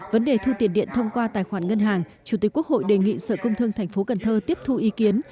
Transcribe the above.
vấn đề thu tiền điện thông qua tài khoản ngân hàng chủ tịch quốc hội đề nghị sở công thương tp cần thơ tiếp thu ý kiến